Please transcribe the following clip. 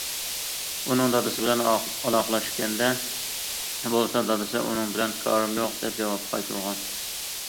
ئۇنىڭ دادىسى بىلەن ئالاقىلەشكەندە بولسا دادىسى« ئۇنىڭ بىلەن كارىم يوق» دەپ جاۋاب قايتۇرغان.